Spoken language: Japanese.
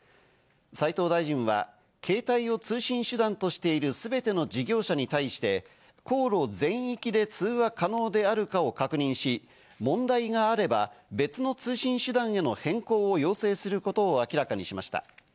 斉藤大臣は携帯を通信手段としているすべての事業者に対して、航路全域で通話可能であるかを確認し、問題があれば別の通信手段への変更を要請することを明らかにしました。